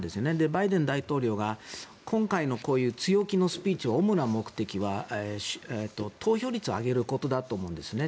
バイデン大統領の今回のこういう強気のスピーチの主な目的は投票率を上げることだと思うんですね。